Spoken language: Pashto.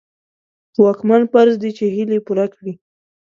په واکمن فرض دي چې هيلې پوره کړي.